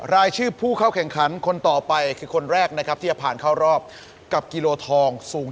นามวาตาคาภาธารณะนวะ